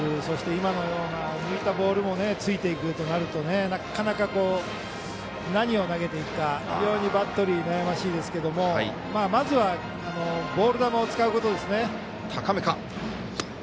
そして、今のような抜いたボールもついていくとなるとなかなか、何を投げていくか非常にバッテリー悩ましいですけれどもまずはボール球を使うことですね。